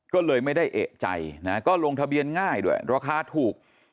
ก็เลยไม่ได้เอกใจนะก็ลงทะเบียนง่ายด้วยราคาถูก